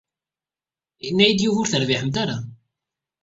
Yenna-yi-d Yuba ur terbiḥemt ara.